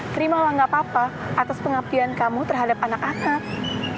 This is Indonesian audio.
terima langgap papa atas pengabdian kamu terhadap anak anak